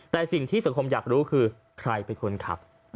แต่สิ่งที่สังคมอยากรู้คือใครเป็นคนขับ